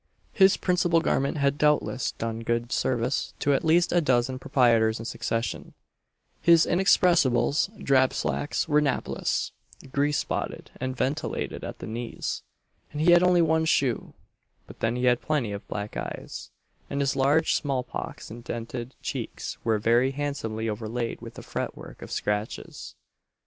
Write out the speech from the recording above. His principal garment had doubtless done good service to at least a dozen proprietors in succession, his inexpressibles (drab slacks) were napless, grease spotted, and ventilated at the knees; and he had only one shoe but then he had plenty of black eyes, and his large small pox indented cheeks were very handsomely overlaid with a fret work of scratches.